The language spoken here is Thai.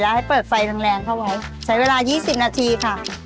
ใช้เวลา๒๐นาทีค่ะ